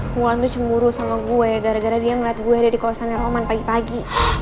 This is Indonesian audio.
wulan tuh cemburu sama gue gara gara dia ngeliat gue ada di kosannya roman pagi pagi